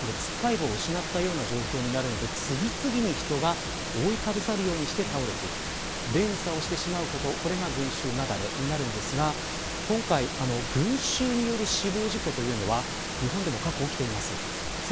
そうすると、つっかい棒を失った状態になって次々に人が覆いかぶさるように倒れていく連鎖していくことこれが群衆雪崩になるのですが群衆による死亡事故というのは日本でも過去に起きています。